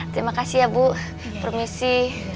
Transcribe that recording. terima kasih ya bu permisi